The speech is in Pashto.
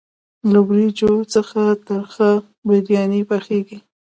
له وریجو څخه ترخه بریاني پخیږي.